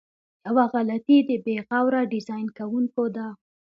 یوه غلطي د بې غوره ډیزاین کوونکو ده.